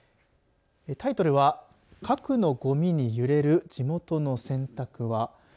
タイトルは核のごみに揺れる地元の選択は。